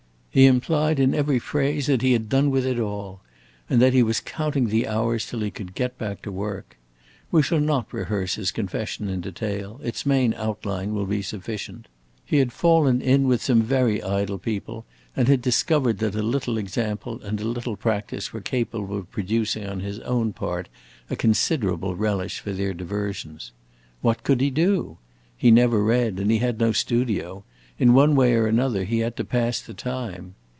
He implied in every phrase that he had done with it all, and that he was counting the hours till he could get back to work. We shall not rehearse his confession in detail; its main outline will be sufficient. He had fallen in with some very idle people, and had discovered that a little example and a little practice were capable of producing on his own part a considerable relish for their diversions. What could he do? He never read, and he had no studio; in one way or another he had to pass the time.